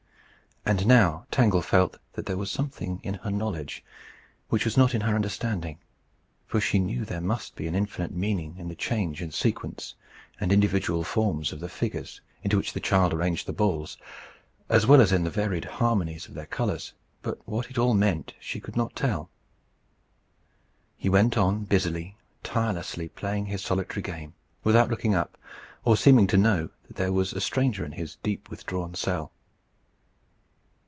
And now Tangle felt that there was something in her knowledge which was not in her understanding. For she knew there must be an infinite meaning in the change and sequence and individual forms of the figures into which the child arranged the balls, as well as in the varied harmonies of their colours, but what it all meant she could not tell.* He went on busily, tirelessly, playing his solitary game, without looking up, or seeming to know that there was a stranger in his deep withdrawn cell.